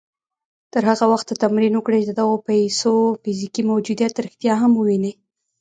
تر هغه وخته تمرين وکړئ چې د دغو پيسو فزيکي موجوديت رښتيا هم ووينئ.